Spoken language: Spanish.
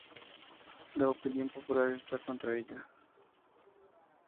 La opinión popular está contra ella.